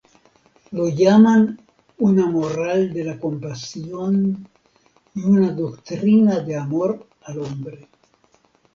Lo llaman una moral de la compasión y una doctrina de amor al hombre.